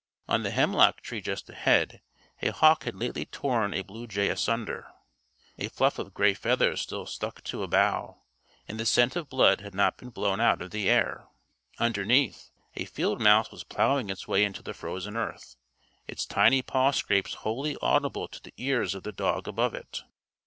On the hemlock tree just ahead a hawk had lately torn a blue jay asunder. A fluff of gray feathers still stuck to a bough, and the scent of blood had not been blown out of the air. Underneath, a field mouse was plowing its way into the frozen earth, its tiny paw scrapes wholly audible to the ears of the dog above it.